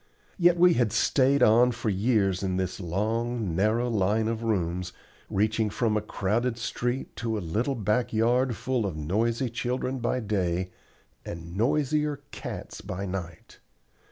Yet we had stayed on for years in this long, narrow line of rooms, reaching from a crowded street to a little back yard full of noisy children by day, and noisier cats by night.